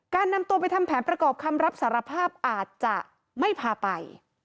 นำตัวไปทำแผนประกอบคำรับสารภาพอาจจะไม่พาไป